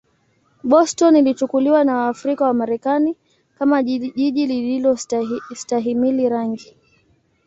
Boston ilichukuliwa na Waafrika-Wamarekani kama jiji lisilostahimili rangi.